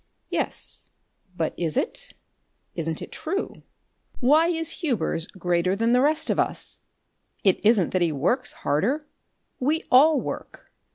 "Yes but is it? Isn't it true? Why is Hubers greater than the rest of us? It isn't that he works harder. We all work.